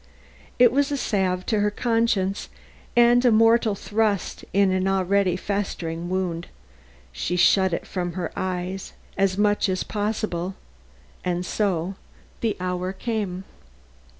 It was a salve to her conscience and a mortal thrust in an already festering wound. She shut it from her eyes as much as possible, and so, the hour came.